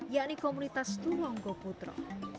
yakni komunitas turonggok putro